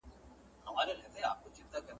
د دې سپړني او ستونزي